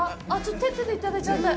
手でいただいちゃって。